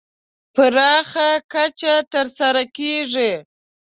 پراخه کچه تر سره کېږي.